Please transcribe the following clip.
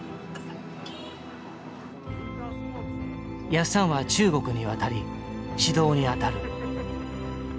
やっさんは中国に渡り指導にあたる。